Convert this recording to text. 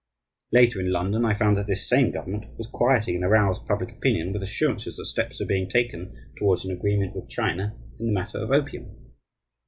Later, in London, I found that this same government was quieting an aroused public opinion with assurances that steps were being taken towards an agreement with China in the matter of opium.